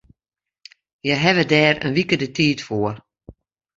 Hja hawwe dêr in wike de tiid foar.